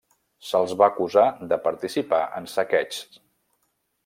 Se'ls va acusar de participar en saqueigs.